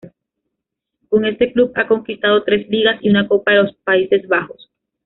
Con este club ha conquistado tres Ligas y una Copa de los Países Bajos.